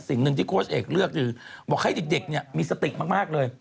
สิ่งหนึ่งที่โค้ชเอกเลือกคือบอกให้เด็กเนี่ยมีสติมากเลย